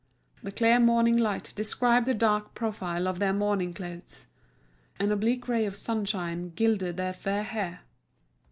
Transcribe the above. The clear morning light described the dark profile of their mourning clothes; an oblique ray of sunshine gilded their fair hair.